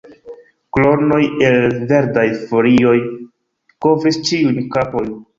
Kronoj el verdaj folioj kovris ĉiujn kapojn.